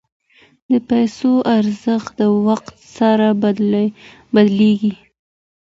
د پیسو ارزښت د وخت سره بدلیږي.